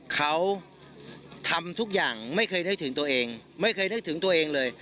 เขาทำทุกอย่างไม่เคยนึกถึงตัวเองไม่เคยนึกถึงตัวเองเลย